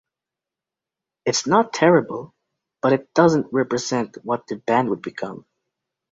It's not terrible, but it doesn't represent what the band would become.